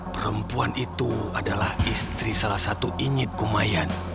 perempuan itu adalah istri salah satu injit kumayan